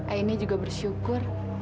ayahnya juga bersyukur